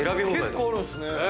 結構あるんすね。